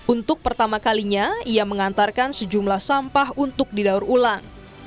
untuk pertama kalinya ia mengantarkan sejumlah sampah untuk didaur ulang